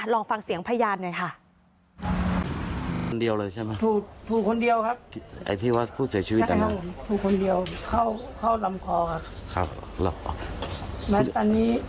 ลองฟังเสียงพยานหน่อยค่ะ